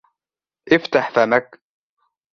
افتح فمك!